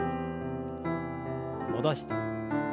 戻して。